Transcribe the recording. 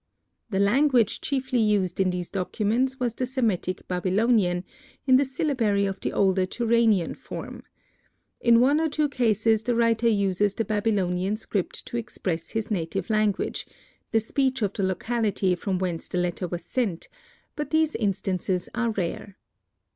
The language chiefly used in these documents was the Semitic Babylonian, in the syllabary of the older Turanian form. In one or two cases the writer uses the Babylonian script to express his native language, the speech of the locality from whence the letter was sent, but these instances are rare.